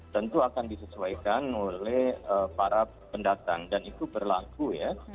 tentu akan disesuaikan oleh para pendatang dan itu berlaku ya